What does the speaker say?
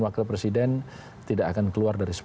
wakil presiden tidak akan keluar dari